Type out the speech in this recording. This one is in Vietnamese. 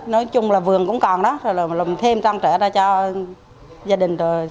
nói chung là vườn cũng còn đó rồi lùm thêm toàn trẻ ra cho gia đình rồi